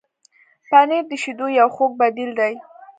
پنېر د شیدو یو خوږ بدیل دی.